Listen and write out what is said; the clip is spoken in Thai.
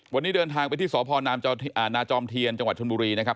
วันนี้เดินทางไปที่สพนาจอมเทียนจังหวัดชนบุรีนะครับ